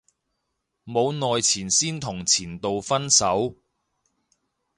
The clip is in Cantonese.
冇耐前先同前度分手